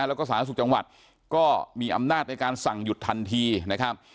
แล้วก็สาธารณสุขจังหวัดก็มีอำนาจในการสั่งหยุดทันทีนะครับ